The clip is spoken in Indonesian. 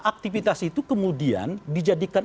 aktivitas itu kemudian dijadikan